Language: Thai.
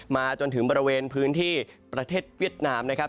มาจนถึงบริเวณพื้นที่ประเทศเวียดนามนะครับ